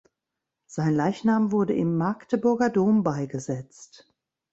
Sein Leichnam wurde im Magdeburger Dom beigesetzt.